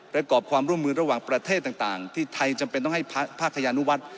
และกรอบความร่วมมือระหว่างประเทศต่างที่ไทยจำเป็นต้องให้ภาคทยานุวัฒน์